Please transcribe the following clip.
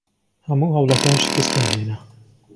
هەموو هەوڵەکان شکستیان هێنا.